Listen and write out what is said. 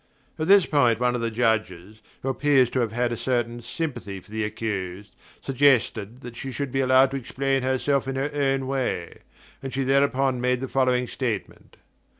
At this point one of the Judges, who appears to have had a certain sympathy for the accused, suggested that she should be allowed to explain herself in her own way; and she thereupon made the following statement.